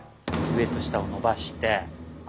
上と下を伸ばして。